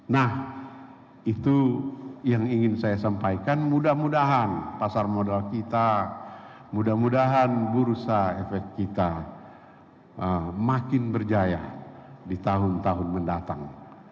nah itu yang ingin saya sampaikan mudah mudahan pasar modal kita mudah mudahan bursa efek kita makin berjaya di tahun tahun mendatang